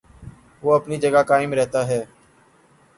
وہ اپنی جگہ قائم رہتا ہے۔